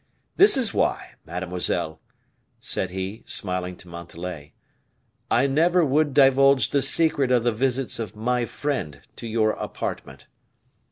This is why, mademoiselle," said he, smiling to Montalais, "I never would divulge the secret of the visits of my friend to your apartment.